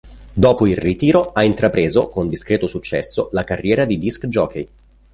Dopo il ritiro ha intrapreso, con discreto successo, la carriera di disc jockey.